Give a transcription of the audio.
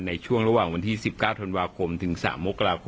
ในช่วงระหว่างว๑๙ธนวาคมถึง๓โมกค